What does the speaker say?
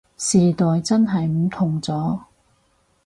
時代真係唔同咗